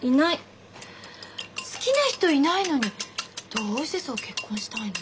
好きな人いないのにどうしてそう結婚したいの？